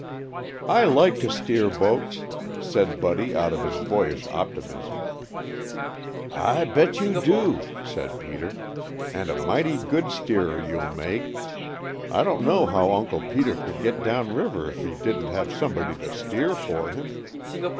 "I like to steer boats," said Buddy out of his boyish optimism. "I bet you do," said Peter, "and a mighty good steerer you'll make. I don't know how Uncle Peter could get down river if he didn't have somebody to steer for him.